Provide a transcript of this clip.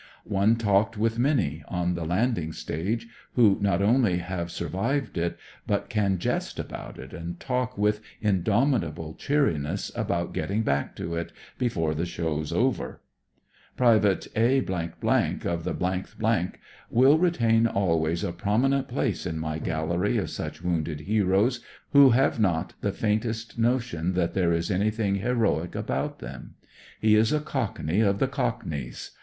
One talked with many, on the landing stage, who not only have sur vived it, but can jest about it, and talk with indomitable cheeriness about getting back to it "before the show's over." Pte. A , of the — th , will retain always a prominent place in my gallery of such wounded heroes, who have not the faintest notion that there is anything heroic about them. He is a Cockney of the Cockneys.